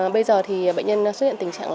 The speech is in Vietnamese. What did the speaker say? bây giờ thì bệnh nhân xuất hiện tình trạng